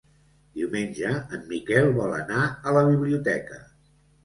Diumenge en Miquel vol anar a la biblioteca.